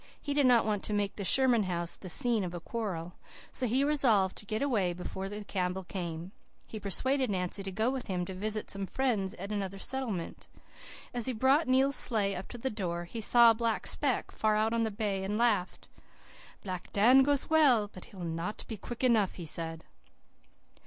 He did not want to make the Sherman house the scene of a quarrel, so he resolved to get away before the Campbell came. He persuaded Nancy to go with him to visit some friends in another settlement. As he brought Neil's sleigh up to the door he saw a black speck far out on the bay and laughed. "'Black Dan goes well, but he'll not be quick enough,' he said.